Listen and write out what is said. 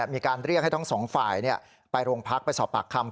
มีการเรียกให้ทั้งสองฝ่ายไปโรงพักไปสอบปากคำ